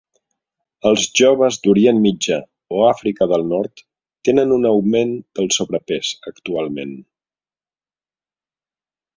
Els joves d"Orient Mitjà o Àfrica del Nord tenen un augment del sobrepès actualment.